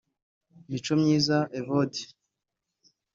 Micomyiza Evode